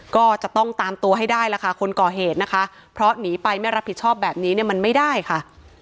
ก็จะต้องตามตัวให้ได้ล่ะค่ะคนก่อเหตุนะคะเพราะหนีไปไม่รับผิดชอบแบบนี้เนี่ยมันไม่ได้ค่ะ